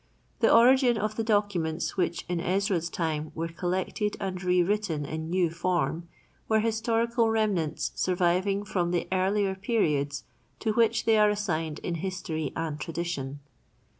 The origin of the documents which in Ezra's time were collected and re written in new form, were historical remnants surviving from the earlier periods to which they are assigned in history and tradition.